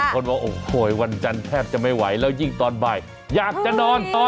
คนบอกโอ้โหวันจันทร์แทบจะไม่ไหวแล้วยิ่งตอนบ่ายอยากจะนอนต่อ